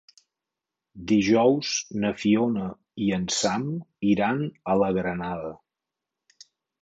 Dijous na Fiona i en Sam iran a la Granada.